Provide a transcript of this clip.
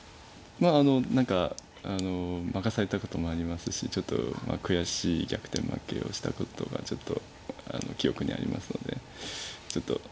まあ何か負かされたこともありますしちょっと悔しい逆転負けをしたことがちょっと記憶にありますので。